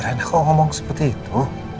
saya kok ngomong seperti itu